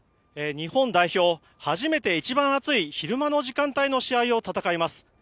日本代表、初めて一番暑い昼間の時間帯の試合を戦います。